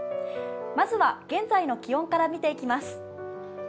まずは、現在の気温から見ていきます。